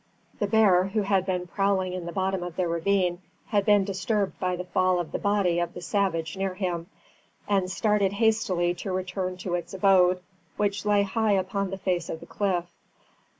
The bear, who had been prowling in the bottom of the ravine, had been disturbed by the fall of the body of the savage near him, and started hastily to return to its abode, which lay high up on the face of the cliff.